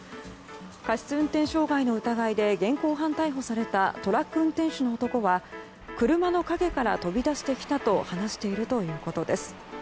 過失運転傷害の疑いで現行犯逮捕されたトラック運転手の男は車の陰から飛び出してきたと話しているということです。